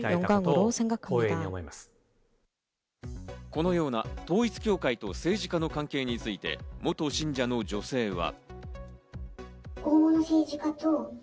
このような統一教会と政治家の関係について元信者の女性は。